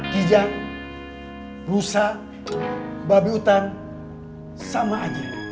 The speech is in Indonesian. gijang rusak babi utang sama aja